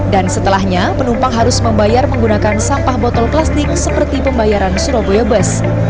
dan setelahnya penumpang harus membayar menggunakan sampah botol plastik seperti pembayaran surabaya bus